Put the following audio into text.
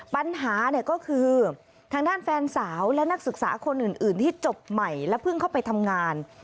ปัญหาเนี่ยก็คือทางด้านแฟนสาวและนักศึกษาคนอื่นที่จบใหม่และเพิ่งเข้าไปทำงาน